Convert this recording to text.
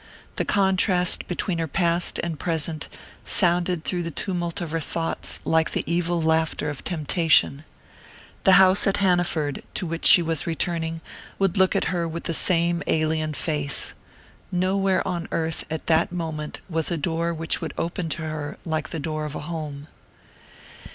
The contrast between her past and present sounded through the tumult of her thoughts like the evil laughter of temptation. The house at Hanaford, to which she was returning, would look at her with the same alien face nowhere on earth, at that moment, was a door which would open to her like the door of home.